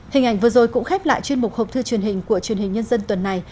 hình ảnh vừa rồi cũng khép lại chuyên mục hộp thư truyền hình của truyền hình nhân dân tuần này